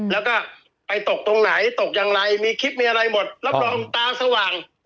แล้วก็ไปตกตรงไหนตกอย่างไรมีคลิปมีอะไรหมดรับรองตาสว่าง